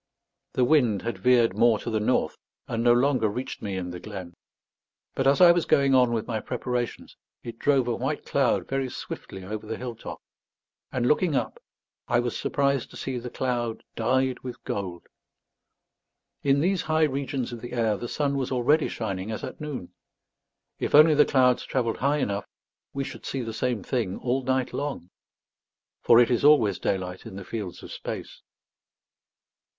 The wind had veered more to the north, and no longer reached me in the glen; but as I was going on with my preparations, it drove a white cloud very swiftly over the hill top; and looking up, I was surprised to see the cloud dyed with gold. In these high regions of the air the sun was already shining as at noon. If only the clouds travelled high enough, we should see the same thing all night long. For it is always daylight in the fields of space.